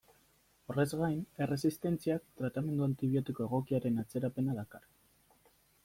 Horrez gain, erresistentziak tratamendu antibiotiko egokiaren atzerapena dakar.